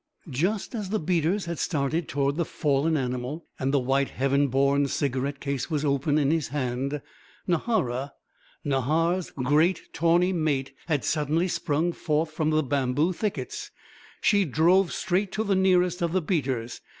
Just as the beaters had started toward the fallen animal, and the white Heaven born's cigarette case was open in his hand, Nahara, Nahar's great, tawny mate, had suddenly sprung forth from the bamboo thickets. She drove straight to the nearest of the beaters.